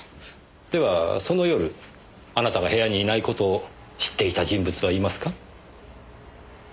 ではその夜あなたが部屋にいない事を知っていた人物はいますか？